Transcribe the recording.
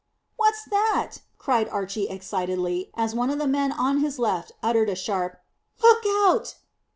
"What's that?" cried Archy excitedly, as one of the men on his left uttered a sharp, "Look out!"